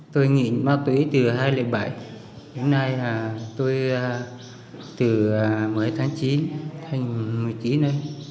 tôi nghỉ ma túy từ hai nghìn bảy đến nay tôi từ một mươi tháng chín thành một mươi chín đây